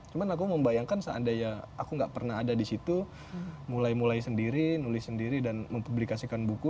cuma aku membayangkan seandainya aku gak pernah ada di situ mulai mulai sendiri nulis sendiri dan mempublikasikan buku